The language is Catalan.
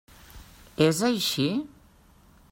És així?